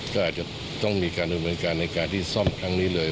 ก็อาจจะต้องมีการอุณหัวในการที่ซ่อมครั้งนี้เลย